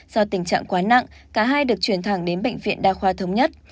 do tình trạng quá nặng cả hai được chuyển thẳng đến bệnh viện đa khoa thống nhất